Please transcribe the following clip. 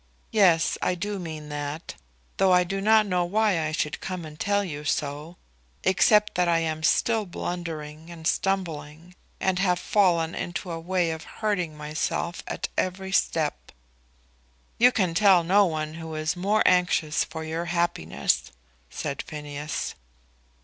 "Yes, I do mean that. Though I do not know why I should come and tell you so, except that I am still blundering and stumbling, and have fallen into a way of hurting myself at every step." "You can tell no one who is more anxious for your happiness," said Phineas.